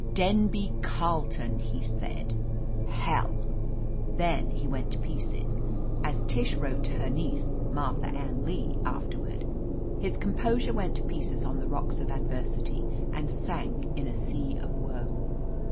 "Denby Carleton !" he said. "Hell 1" Then he went to pieces. As Tish wrote to her niece, Martha Ann Lee, afterward, "his composure went to pieces on the rocks of ad versity, and sank in a sea of woe."